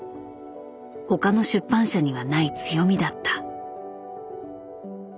他の出版社にはない強みだった。